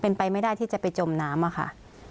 เป็นไปไม่ได้ที่จะไปจมน้ำอะค่ะ